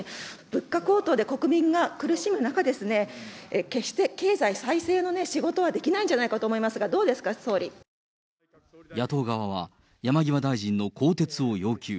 物価高騰で国民が苦しむ中ですね、決して経済再生のね、仕事はできないんじゃないかと思いますが、野党側は、山際大臣の更迭を要求。